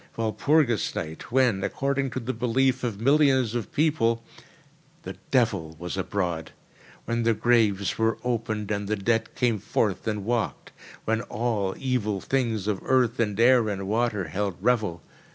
Walpurgis Night, when, according to the belief of millions of people, the devil was abroad—when the graves were opened and the dead came forth and walked. When all evil things of earth and air and water held revel.